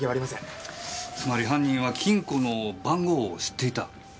つまり犯人は金庫の番号を知っていた？